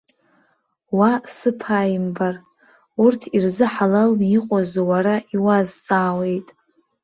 Уа сыԥааимбар! Урҭ ирзыҳалалны иҟоу азы уара иуазҵаауеит.